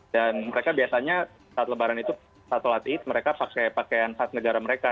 dan mereka biasanya saat lebaran itu saat kolat itu mereka pakai pakaian saat negara mereka